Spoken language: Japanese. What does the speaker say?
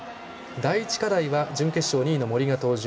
第１課題は準決勝２位の森が登場。